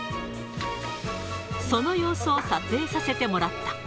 その様子を撮影させてもらった。